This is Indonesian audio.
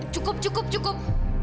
cukup cukup cukup